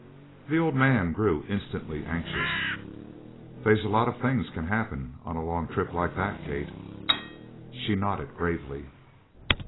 The old man grew instantly anxious. "They's a lot of things can happen on a long trip like that, Kate." She nodded gravely.